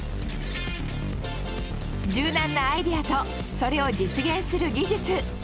柔軟なアイデアとそれを実現する技術。